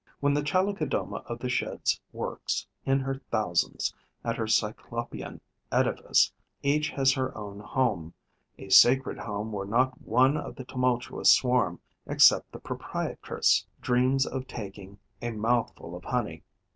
When the Chalicodoma of the Sheds works, in her thousands, at her Cyclopean edifice, each has her own home, a sacred home where not one of the tumultuous swarm, except the proprietress, dreams of taking a mouthful of honey.